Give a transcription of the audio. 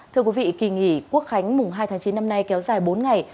thưa quý vị kỳ nghỉ quốc khánh mùng hai tháng chín năm nay kéo dài bốn ngày